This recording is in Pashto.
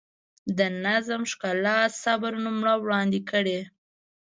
د نظم، ښکلا، صبر نمونه وړاندې کړي.